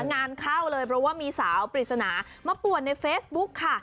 งานเข้าเลยเพราะว่ามีสาวปริศนามาป่วนในเฟซบุ๊กค่ะ